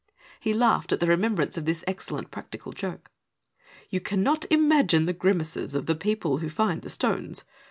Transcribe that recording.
He laughed at the remembrance of this excellent practical joke. "You cannot imagine the grimaces of the people who find the stones.